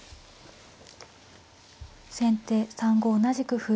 先手３五同じく歩。